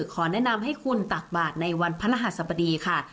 ขอแนะนำให้คุณตักบาทในวันพระรหัสบดีค่ะ